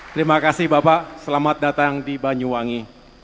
terima kasih bapak selamat datang di banyuwangi